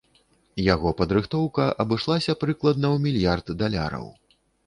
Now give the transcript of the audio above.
Яго падрыхтоўка абышлася прыкладна ў мільярд даляраў.